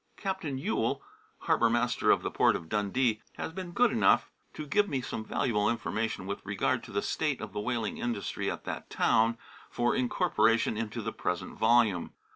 Captain Yule, harbour master of the port of Dundee, has been good enough to give me some valuable information with regard to the state O of the whaling industry at that town for incorporation into the present volume.